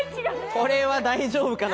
これは大丈夫かな？